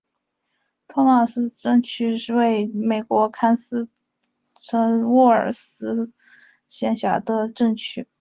托马斯镇区为美国堪萨斯州埃尔斯沃思县辖下的镇区。